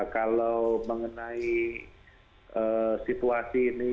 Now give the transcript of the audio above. kalau mengenai situasi ini